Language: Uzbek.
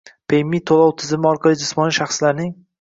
«PayMe» to‘lov tizimi orqali jismoniy shaxslarning